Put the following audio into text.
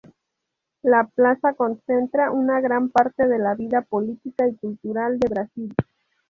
La plaza concentra una gran parte de la vida política y cultural de Brasil.